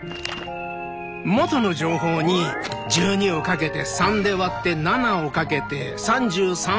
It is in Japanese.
「元の情報」に１２をかけて３で割って７をかけて３３をかけて。